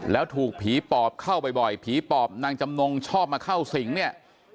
แล้วถูกผีปอบเข้าบ่อยผีปอบนางจำนงชอบมาเข้าสิงเนี่ย